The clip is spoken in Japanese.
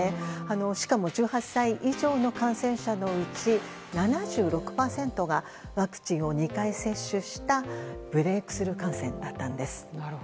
しかも１８歳以上の感染者のうち７６％がワクチンを２回接種したブレークスルー感染だったんです。